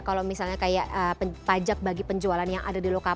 kalau misalnya kayak pajak bagi penjualan yang ada di lokal